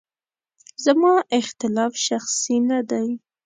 زما اختلاف شخصي نه دی.